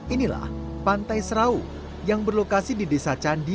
inilah pantai serau yang berlokasi di desa candi